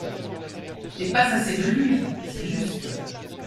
Et pas assez de lui… c’est juste.